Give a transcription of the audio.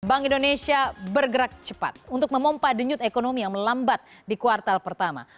bank indonesia bergerak cepat untuk memompa denyut ekonomi yang melambat di kuartal pertama